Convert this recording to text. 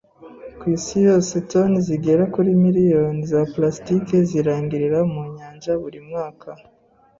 Kwisi yose, toni zigera kuri miliyoni za plastike zirangirira mu nyanja buri mwaka.